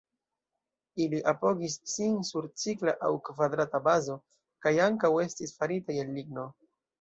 Ili apogis sin sur cirkla aŭ kvadrata bazo, kaj ankaŭ estis faritaj el ligno.